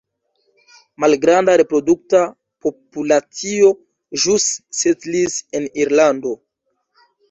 Malgranda reprodukta populacio ĵus setlis en Irlando.